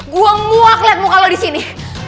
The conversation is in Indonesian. gue muak liat muka lo disini